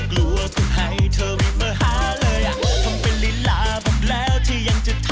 มึงอย่าลอก